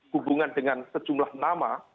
hubungan dengan sejumlah nama